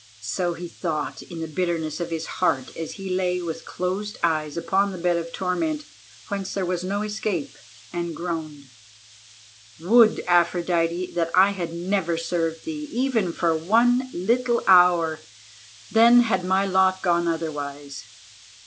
So he thought in the bitterness of his heart as he lay with closed eyes upon the bed of torment whence there was no escape, and groaned: "Would, Aphrodite, that I had never served thee, even for one little hour, then had my lot gone otherwise."